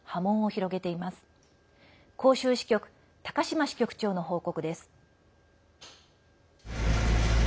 広州支局、高島支局長の報告です。